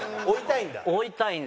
追いたいんだ。